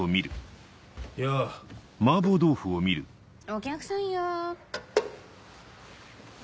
お客さんよ。